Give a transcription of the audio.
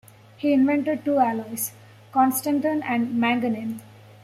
He invented two alloys, constantan and manganin.